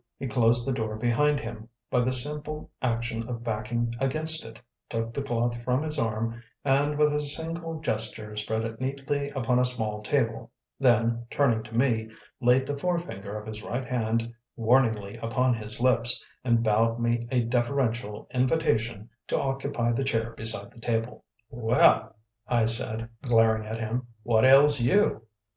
He closed the door behind him by the simple action of backing against it, took the cloth from his arm, and with a single gesture spread it neatly upon a small table, then, turning to me, laid the forefinger of his right hand warningly upon his lips and bowed me a deferential invitation to occupy the chair beside the table. "Well," I said, glaring at him, "what ails you?"